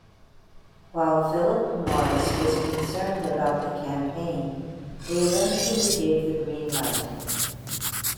While Philip Morris was concerned about the campaign, they eventually gave the green light.